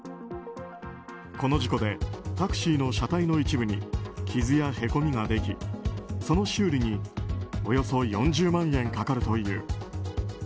この事故でタクシーの車体の一部に傷やへこみができ、その修理におよそ４０万円かかるという。